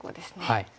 はい。